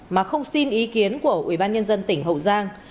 mà không xin ý kiến của ubnd tỉnh hậu giang